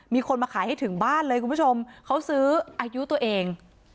มีคนมาขายให้ถึงบ้านเลยคุณผู้ชมเขาซื้ออายุตัวเอง